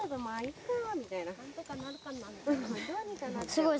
すごい。